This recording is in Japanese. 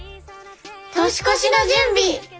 年越しの準備！